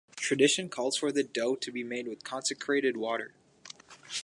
Tradition calls for the dough to be made with consecrated water.